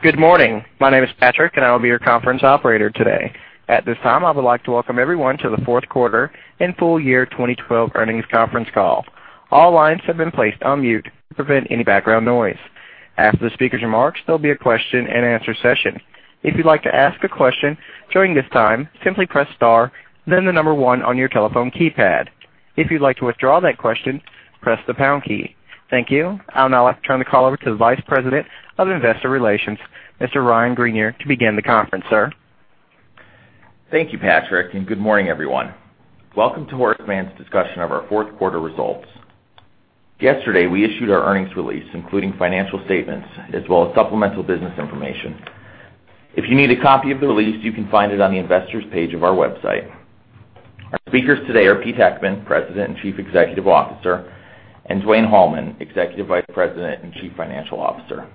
Good morning. My name is Patrick, and I will be your conference operator today. At this time, I would like to welcome everyone to the fourth quarter and full year 2012 earnings conference call. All lines have been placed on mute to prevent any background noise. After the speaker's remarks, there'll be a question and answer session. If you'd like to ask a question during this time, simply press star, then the number one on your telephone keypad. If you'd like to withdraw that question, press the pound key. Thank you. I would now like to turn the call over to the Vice President of Investor Relations, Mr. Ryan Greenier, to begin the conference, sir. Thank you, Patrick, and good morning, everyone. Welcome to Horace Mann's discussion of our fourth quarter results. Yesterday, we issued our earnings release, including financial statements as well as supplemental business information. If you need a copy of the release, you can find it on the investors page of our website. Our speakers today are Peter Heckman, President and Chief Executive Officer, and Dwayne Hallman, Executive Vice President and Chief Financial Officer.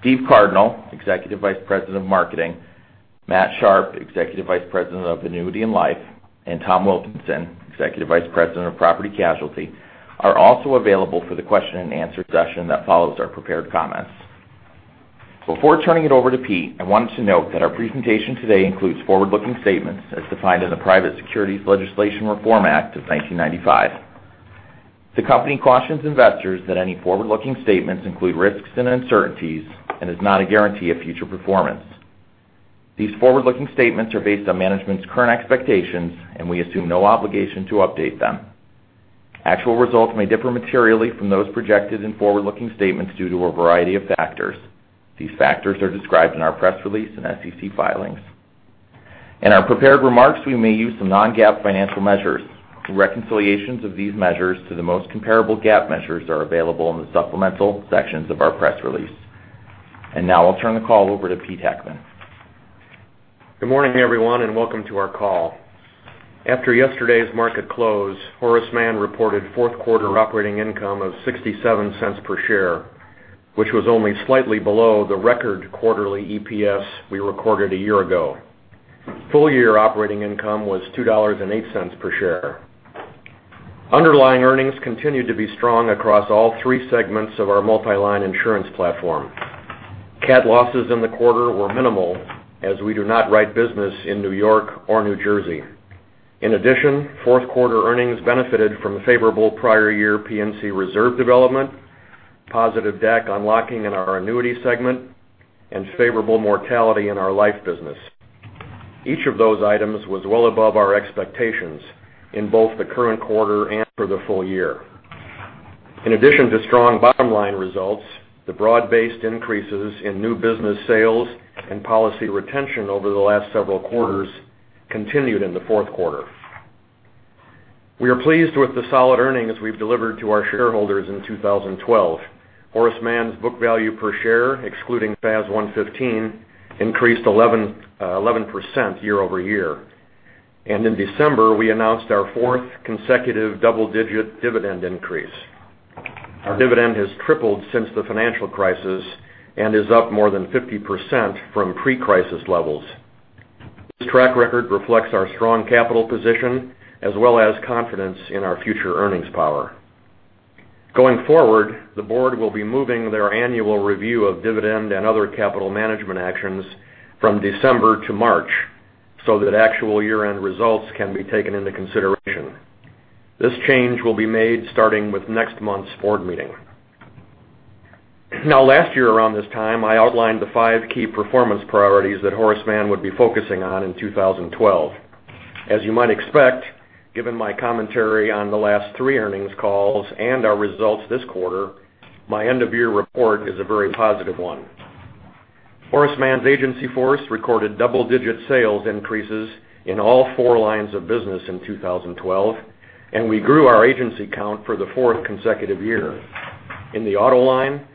Stephen McAnena, Executive Vice President of Marketing, Matthew Sharpe, Executive Vice President of Annuity and Life, and Tom Wilkinson, Executive Vice President of Property Casualty, are also available for the question and answer session that follows our prepared comments. Before turning it over to Pete, I wanted to note that our presentation today includes forward-looking statements as defined in the Private Securities Litigation Reform Act of 1995. The company cautions investors that any forward-looking statements include risks and uncertainties and is not a guarantee of future performance. These forward-looking statements are based on management's current expectations, and we assume no obligation to update them. Actual results may differ materially from those projected in forward-looking statements due to a variety of factors. These factors are described in our press release and SEC filings. In our prepared remarks, we may use some non-GAAP financial measures. Reconciliations of these measures to the most comparable GAAP measures are available in the supplemental sections of our press release. Now I'll turn the call over to Peter Heckman. Good morning, everyone, and welcome to our call. After yesterday's market close, Horace Mann reported fourth quarter operating income of $0.67 per share, which was only slightly below the record quarterly EPS we recorded a year ago. Full year operating income was $2.08 per share. Underlying earnings continued to be strong across all three segments of our multi-line insurance platform. Cat losses in the quarter were minimal, as we do not write business in New York or New Jersey. In addition, fourth quarter earnings benefited from favorable prior year P&C reserve development, positive DAC unlocking in our annuity segment, and favorable mortality in our life business. Each of those items was well above our expectations in both the current quarter and for the full year. In addition to strong bottom-line results, the broad-based increases in new business sales and policy retention over the last several quarters continued in the fourth quarter. We are pleased with the solid earnings we've delivered to our shareholders in 2012. Horace Mann's book value per share, excluding FAS 115, increased 11% year-over-year. In December, we announced our fourth consecutive double-digit dividend increase. Our dividend has tripled since the financial crisis and is up more than 50% from pre-crisis levels. This track record reflects our strong capital position as well as confidence in our future earnings power. Going forward, the board will be moving their annual review of dividend and other capital management actions from December to March so that actual year-end results can be taken into consideration. This change will be made starting with next month's board meeting. Last year around this time, I outlined the five key performance priorities that Horace Mann would be focusing on in 2012. As you might expect, given my commentary on the last three earnings calls and our results this quarter, my end of year report is a very positive one. Horace Mann's agency force recorded double-digit sales increases in all four lines of business in 2012, and we grew our agency count for the fourth consecutive year. In the auto line,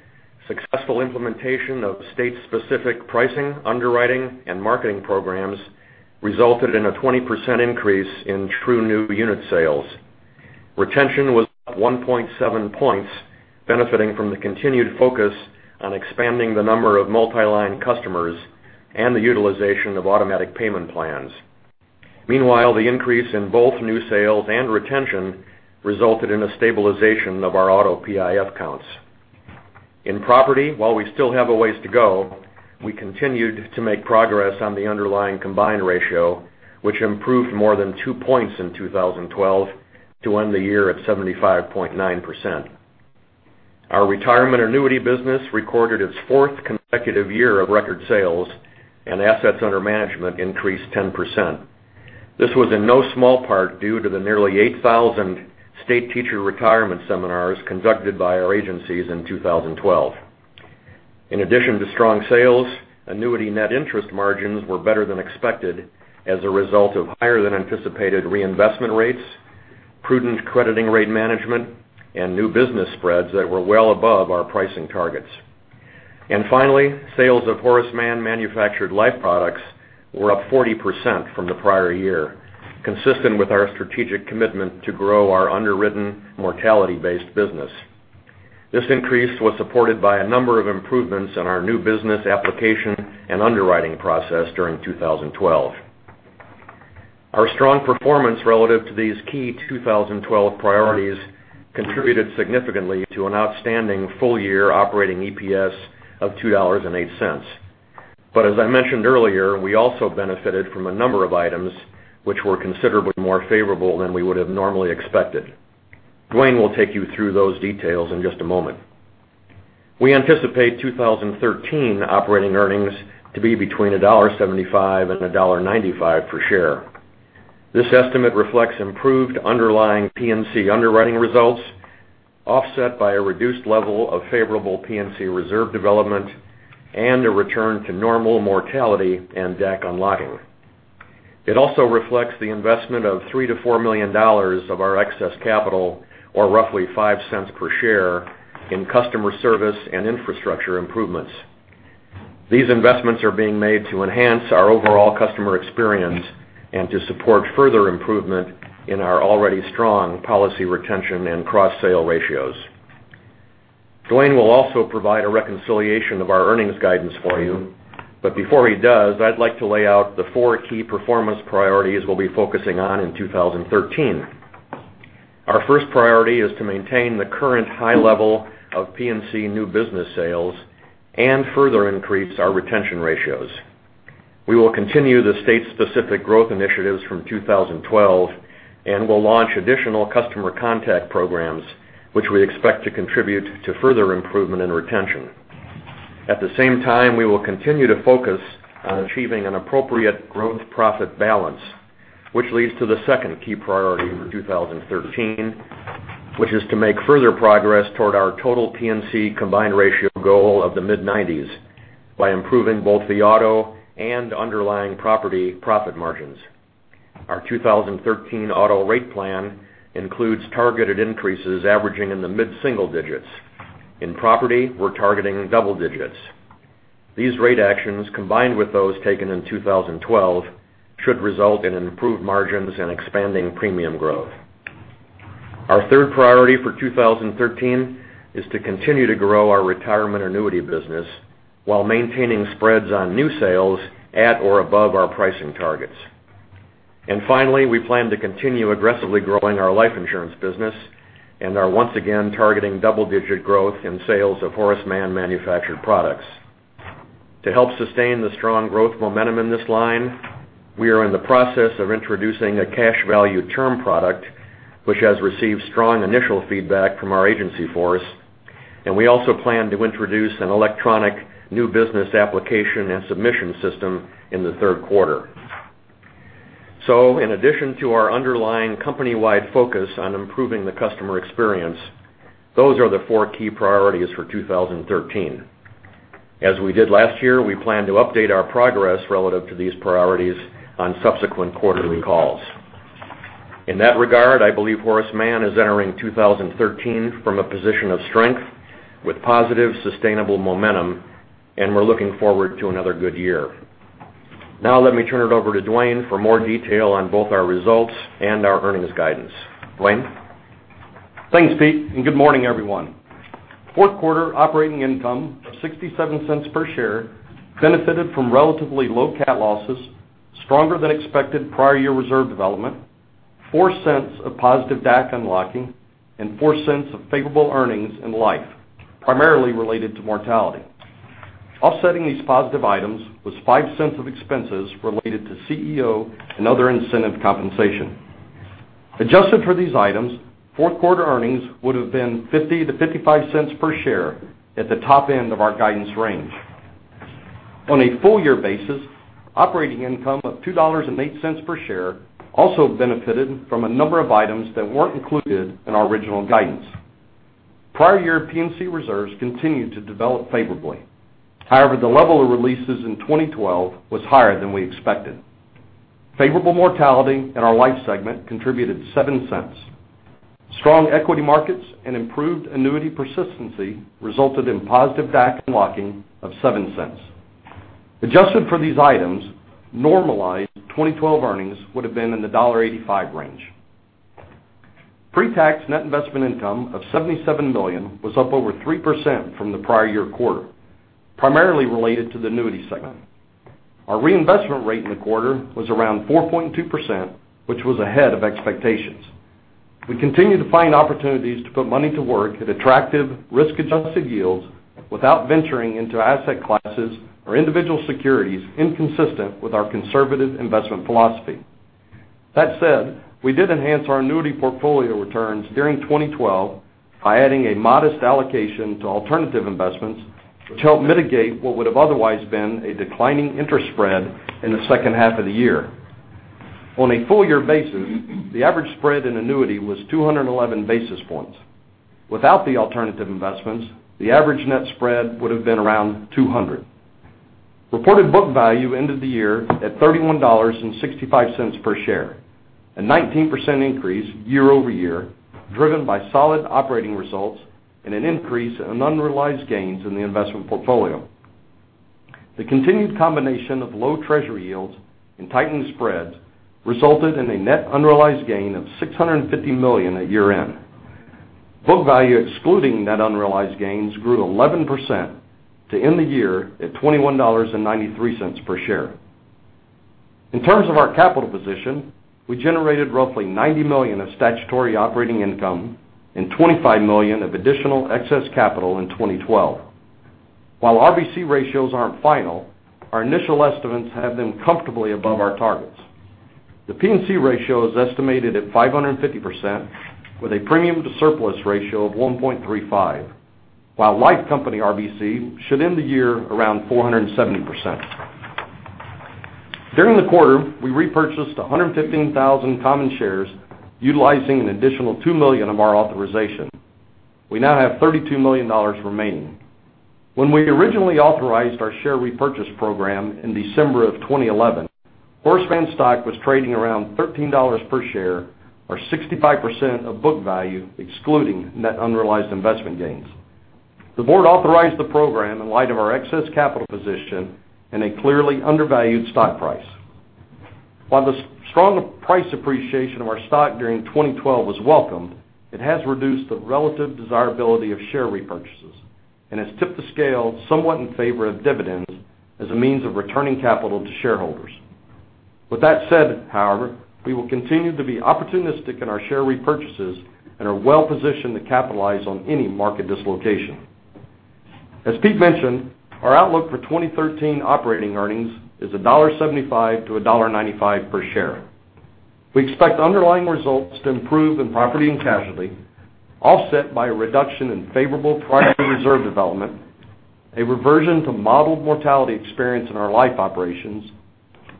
successful implementation of state-specific pricing, underwriting, and marketing programs resulted in a 20% increase in true new unit sales. Retention was up 1.7 points, benefiting from the continued focus on expanding the number of multi-line customers and the utilization of automatic payment plans. Meanwhile, the increase in both new sales and retention resulted in a stabilization of our auto PIF counts. In property, while we still have a ways to go, we continued to make progress on the underlying combined ratio, which improved more than two points in 2012 to end the year at 75.9%. Our retirement annuity business recorded its fourth consecutive year of record sales, and assets under management increased 10%. This was in no small part due to the nearly 8,000 state teacher retirement seminars conducted by our agencies in 2012. In addition to strong sales, annuity net interest margins were better than expected as a result of higher than anticipated reinvestment rates, prudent crediting rate management, and new business spreads that were well above our pricing targets. Finally, sales of Horace Mann manufactured life products were up 40% from the prior year, consistent with our strategic commitment to grow our underwritten mortality-based business. This increase was supported by a number of improvements in our new business application and underwriting process during 2012. Our strong performance relative to these key 2012 priorities contributed significantly to an outstanding full-year operating EPS of $2.08. As I mentioned earlier, we also benefited from a number of items which were considerably more favorable than we would have normally expected. Dwayne will take you through those details in just a moment. We anticipate 2013 operating earnings to be between $1.75 and $1.95 per share. This estimate reflects improved underlying P&C underwriting results, offset by a reduced level of favorable P&C reserve development and a return to normal mortality and DAC unlocking. It also reflects the investment of $3 million-$4 million of our excess capital, or roughly $0.05 per share, in customer service and infrastructure improvements. These investments are being made to enhance our overall customer experience and to support further improvement in our already strong policy retention and cross-sale ratios. Dwayne will also provide a reconciliation of our earnings guidance for you. Before he does, I'd like to lay out the four key performance priorities we'll be focusing on in 2013. Our first priority is to maintain the current high level of P&C new business sales and further increase our retention ratios. We will continue the state-specific growth initiatives from 2012. We'll launch additional customer contact programs, which we expect to contribute to further improvement in retention. At the same time, we will continue to focus on achieving an appropriate growth profit balance. Which leads to the second key priority for 2013, which is to make further progress toward our total P&C combined ratio goal of the mid-90s by improving both the auto and underlying property profit margins. Our 2013 auto rate plan includes targeted increases averaging in the mid-single digits. In property, we're targeting double digits. These rate actions, combined with those taken in 2012, should result in improved margins and expanding premium growth. Our third priority for 2013 is to continue to grow our retirement annuity business while maintaining spreads on new sales at or above our pricing targets. Finally, we plan to continue aggressively growing our life insurance business and are once again targeting double-digit growth in sales of Horace Mann manufactured products. To help sustain the strong growth momentum in this line, we are in the process of introducing a cash value term product, which has received strong initial feedback from our agency force. We also plan to introduce an electronic new business application and submission system in the third quarter. In addition to our underlying company-wide focus on improving the customer experience, those are the four key priorities for 2013. As we did last year, we plan to update our progress relative to these priorities on subsequent quarterly calls. In that regard, I believe Horace Mann is entering 2013 from a position of strength with positive, sustainable momentum, and we're looking forward to another good year. Now let me turn it over to Dwayne for more detail on both our results and our earnings guidance. Dwayne? Thanks, Pete. Good morning, everyone. Fourth quarter operating income of $0.67 per share benefited from relatively low cat losses, stronger-than-expected prior year reserve development, $0.04 of positive DAC unlocking, and $0.04 of favorable earnings in Life, primarily related to mortality. Offsetting these positive items was $0.05 of expenses related to CEO and other incentive compensation. Adjusted for these items, fourth quarter earnings would have been $0.50-$0.55 per share at the top end of our guidance range. On a full year basis, operating income of $2.08 per share also benefited from a number of items that weren't included in our original guidance. Prior year P&C reserves continued to develop favorably. However, the level of releases in 2012 was higher than we expected. Favorable mortality in our life segment contributed $0.07. Strong equity markets and improved annuity persistency resulted in positive DAC unlocking of $0.07. Adjusted for these items, normalized 2012 earnings would have been in the $1.85 range. Pre-tax net investment income of $77 million was up over 3% from the prior year quarter, primarily related to the annuity segment. Our reinvestment rate in the quarter was around 4.2%, which was ahead of expectations. We continue to find opportunities to put money to work at attractive risk-adjusted yields without venturing into asset classes or individual securities inconsistent with our conservative investment philosophy. That said, we did enhance our annuity portfolio returns during 2012 by adding a modest allocation to alternative investments, which helped mitigate what would have otherwise been a declining interest spread in the second half of the year. On a full year basis, the average spread in annuity was 211 basis points. Without the alternative investments, the average net spread would have been around 200. Reported book value ended the year at $31.65 per share, a 19% increase year-over-year, driven by solid operating results and an increase in unrealized gains in the investment portfolio. The continued combination of low Treasury yields and tightened spreads resulted in a net unrealized gain of $650 million at year-end. Book value, excluding net unrealized gains, grew 11% to end the year at $21.93 per share. In terms of our capital position, we generated roughly $90 million of statutory operating income and $25 million of additional excess capital in 2012. While RBC ratios aren't final, our initial estimates have been comfortably above our targets. The P&C ratio is estimated at 550%, with a premium to surplus ratio of 1.35, while life company RBC should end the year around 470%. During the quarter, we repurchased 115,000 common shares, utilizing an additional $2 million of our authorization. We now have $32 million remaining. When we originally authorized our share repurchase program in December of 2011, Horace Mann stock was trading around $13 per share, or 65% of book value, excluding net unrealized investment gains. The board authorized the program in light of our excess capital position and a clearly undervalued stock price. While the strong price appreciation of our stock during 2012 was welcomed, it has reduced the relative desirability of share repurchases and has tipped the scale somewhat in favor of dividends as a means of returning capital to shareholders. That said, however, we will continue to be opportunistic in our share repurchases and are well-positioned to capitalize on any market dislocation. As Pete mentioned, our outlook for 2013 operating earnings is $1.75-$1.95 per share. We expect underlying results to improve in Property and Casualty, offset by a reduction in favorable prior year reserve development, a reversion to modeled mortality experience in our life operations,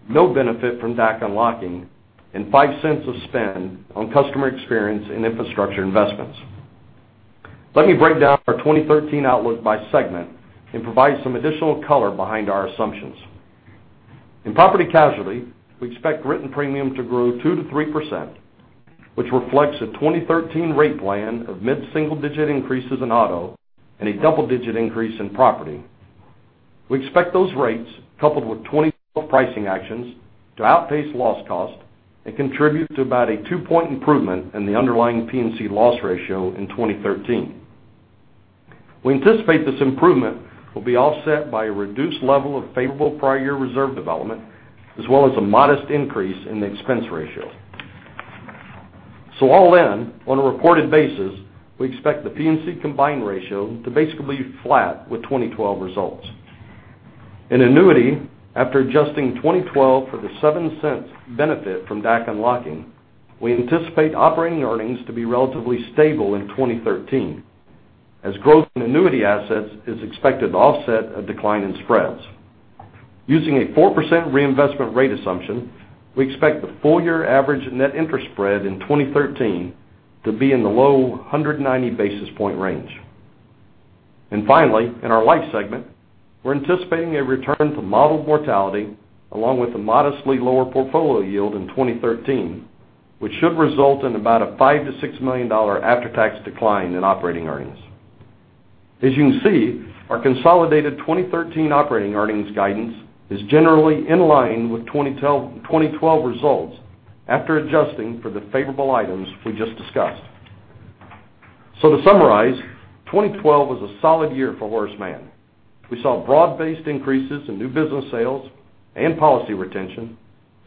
no benefit from DAC unlocking, and $0.05 of spend on customer experience and infrastructure investments. Let me break down our 2013 outlook by segment and provide some additional color behind our assumptions. In Property and Casualty, we expect written premium to grow 2%-3%, which reflects a 2013 rate plan of mid-single-digit increases in auto and a double-digit increase in property. We expect those rates, coupled with pricing actions, to outpace loss cost and contribute to about a two-point improvement in the underlying P&C loss ratio in 2013. We anticipate this improvement will be offset by a reduced level of favorable prior year reserve development, as well as a modest increase in the expense ratio. All in, on a reported basis, we expect the P&C combined ratio to be basically flat with 2012 results. In annuity, after adjusting 2012 for the $0.07 benefit from DAC unlocking, we anticipate operating earnings to be relatively stable in 2013, as growth in annuity assets is expected to offset a decline in spreads. Using a 4% reinvestment rate assumption, we expect the full-year average net interest spread in 2013 to be in the low 190-basis-point range. Finally, in our life segment, we're anticipating a return to modeled mortality, along with a modestly lower portfolio yield in 2013, which should result in about a $5 million to $6 million after-tax decline in operating earnings. As you can see, our consolidated 2013 operating earnings guidance is generally in line with 2012 results after adjusting for the favorable items we just discussed. To summarize, 2012 was a solid year for Horace Mann. We saw broad-based increases in new business sales and policy retention,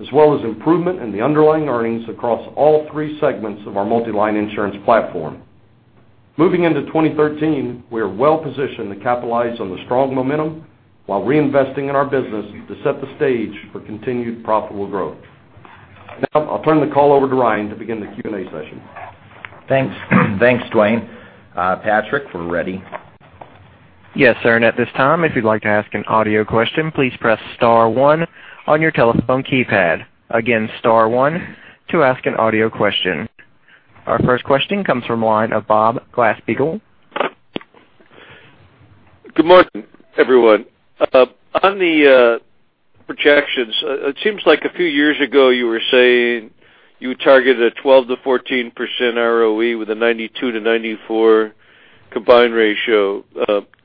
as well as improvement in the underlying earnings across all three segments of our multi-line insurance platform. Moving into 2013, we are well-positioned to capitalize on the strong momentum while reinvesting in our business to set the stage for continued profitable growth. Now I'll turn the call over to Ryan to begin the Q&A session. Thanks, Dwayne. Patrick, we're ready. Yes, sir. At this time, if you'd like to ask an audio question, please press star one on your telephone keypad. Again, star one to ask an audio question. Our first question comes from the line of Bob Gorigin. Good morning, everyone. On the projections, it seems like a few years ago you were saying you targeted a 12%-14% ROE with a 92-94 combined ratio.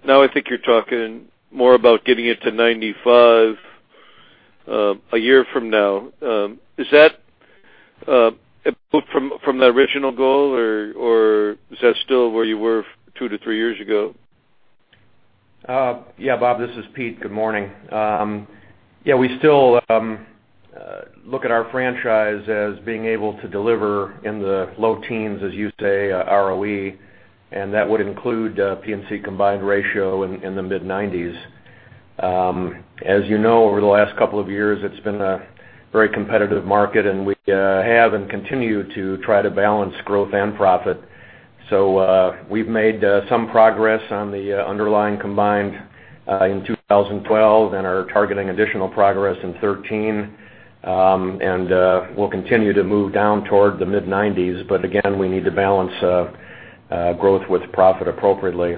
Now I think you're talking more about getting it to 95 a year from now. Is that from that original goal, or is that still where you were two to three years ago? Yeah. Bob, this is Pete. Good morning. Yeah, we still look at our franchise as being able to deliver in the low teens, as you say, ROE, and that would include P&C combined ratio in the mid-90s. As you know, over the last couple of years, it's been a very competitive market, and we have and continue to try to balance growth and profit. We've made some progress on the underlying combined in 2012 and are targeting additional progress in 2013. We'll continue to move down toward the mid-90s, but again, we need to balance growth with profit appropriately.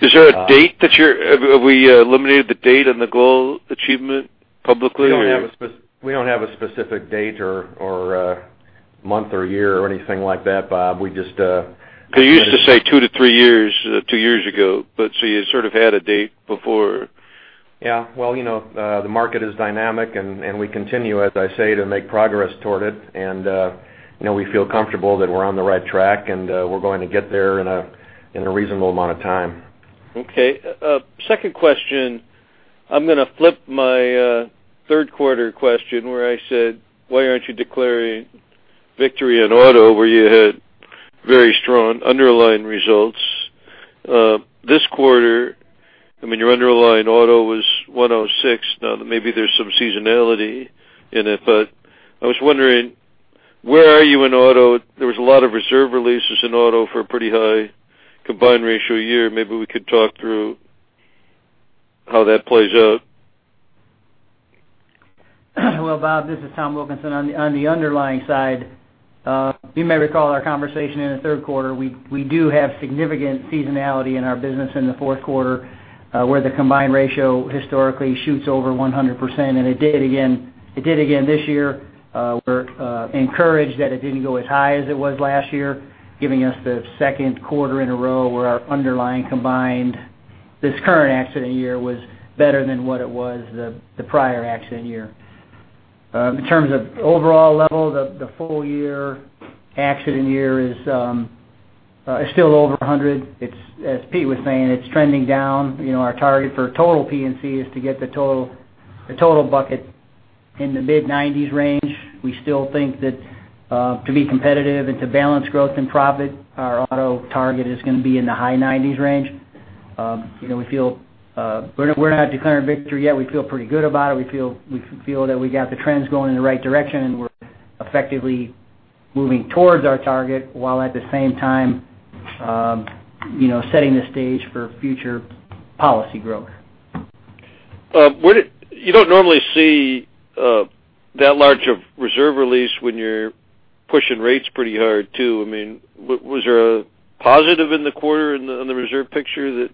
Is there a date? Have we eliminated the date and the goal achievement publicly? We don't have a specific date or month or year or anything like that, Bob. You used to say 2 to 3 years, 2 years ago, you sort of had a date before Yeah. Well, the market is dynamic, we continue, as I say, to make progress toward it. We feel comfortable that we're on the right track, we're going to get there in a reasonable amount of time. Okay. Second question, I'm going to flip my third quarter question where I said, why aren't you declaring victory in auto where you had very strong underlying results? This quarter, I mean, your underlying auto was 106. Maybe there's some seasonality in it, I was wondering, where are you in auto? There was a lot of reserve releases in auto for a pretty high combined ratio year. Maybe we could talk through how that plays out. Well, Bob, this is Tom Wilkinson. On the underlying side, you may recall our conversation in the third quarter. We do have significant seasonality in our business in the fourth quarter, where the combined ratio historically shoots over 100%. It did again this year. We're encouraged that it didn't go as high as it was last year, giving us the second quarter in a row where our underlying combined, this current accident year was better than what it was the prior accident year. In terms of overall level, the full year accident year is still over 100. As Pete was saying, it's trending down. Our target for total P&C is to get the total bucket in the mid-90s range. We still think that to be competitive and to balance growth and profit, our auto target is going to be in the high 90s range. We're not declaring victory yet. We feel pretty good about it. We feel that we got the trends going in the right direction, we're effectively moving towards our target, while at the same time setting the stage for future policy growth. You don't normally see that large of reserve release when you're pushing rates pretty hard, too. I mean, was there a positive in the quarter on the reserve picture that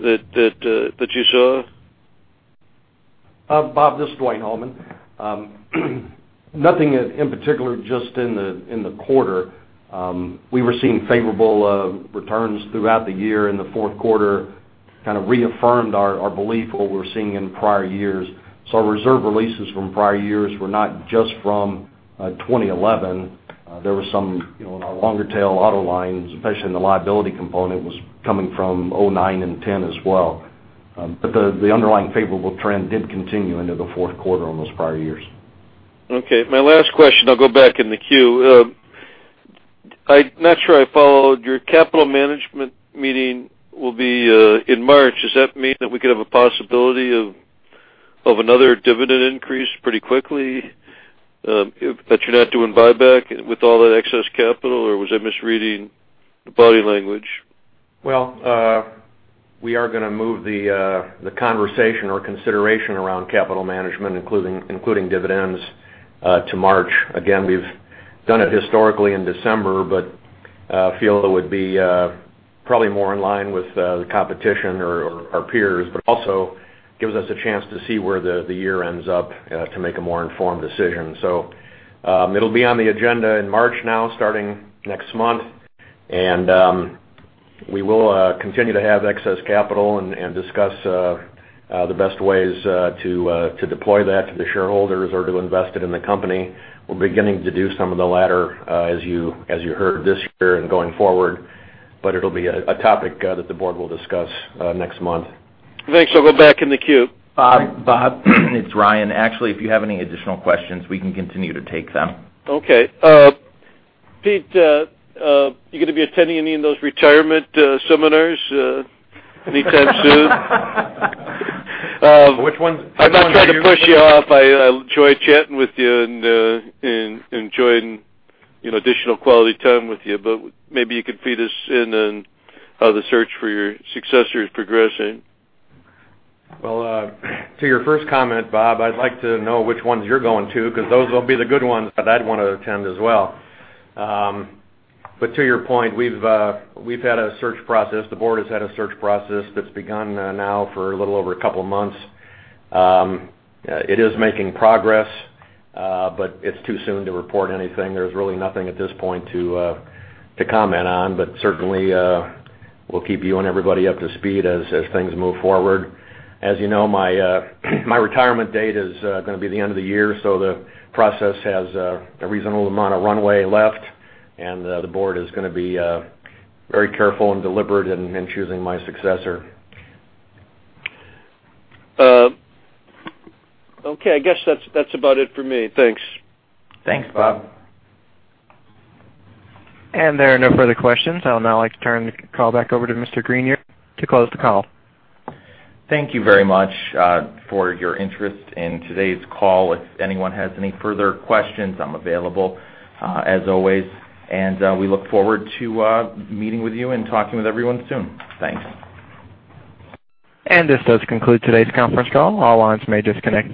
you saw? Bob, this is Dwayne Hallman. Nothing in particular just in the quarter. We were seeing favorable returns throughout the year, the fourth quarter kind of reaffirmed our belief what we were seeing in prior years. Our reserve releases from prior years were not just from 2011. There were some in our longer tail auto lines, especially in the liability component, was coming from 2009 and 2010 as well. The underlying favorable trend did continue into the fourth quarter on those prior years. Okay. My last question, I'll go back in the queue. I'm not sure I followed, your capital management meeting will be in March. Does that mean that we could have a possibility of another dividend increase pretty quickly? That you're not doing buyback with all that excess capital, or was I misreading the body language? We are going to move the conversation or consideration around capital management, including dividends, to March. Again, we've done it historically in December, feel it would be probably more in line with the competition or our peers, also gives us a chance to see where the year ends up to make a more informed decision. It'll be on the agenda in March now, starting next month. We will continue to have excess capital and discuss the best ways to deploy that to the shareholders or to invest it in the company. We're beginning to do some of the latter as you heard this year and going forward, it'll be a topic that the board will discuss next month. Thanks. I'll go back in the queue. Bob, it's Ryan. Actually, if you have any additional questions, we can continue to take them. Pete, you going to be attending any of those retirement seminars anytime soon? Which ones? I'm not trying to push you off. I enjoy chatting with you and enjoying additional quality time with you. Maybe you could feed us in on how the search for your successor is progressing. Well, to your first comment, Bob Gorigin, I'd like to know which ones you're going to, because those will be the good ones that I'd want to attend as well. To your point, we've had a search process. The board has had a search process that's begun now for a little over a couple of months. It is making progress, but it's too soon to report anything. There's really nothing at this point to comment on. Certainly, we'll keep you and everybody up to speed as things move forward. As you know, my retirement date is going to be the end of the year, so the process has a reasonable amount of runway left, and the board is going to be very careful and deliberate in choosing my successor. Okay. I guess that's about it for me. Thanks. Thanks, Bob. There are no further questions. I'll now like to turn the call back over to Mr. Ryan Greenier to close the call. Thank you very much for your interest in today's call. If anyone has any further questions, I'm available as always, and we look forward to meeting with you and talking with everyone soon. Thanks. This does conclude today's conference call. All lines may disconnect.